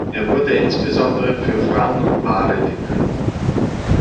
Er wurde insbesondere für Frauen und Paare gedreht.